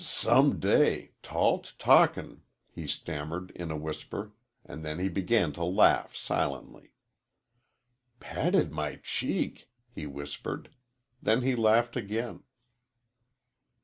"S some day tall t talkin'," he stammered, in a whisper, and then he began to laugh silently. "Patted my cheek!" he whispered. Then he laughed again.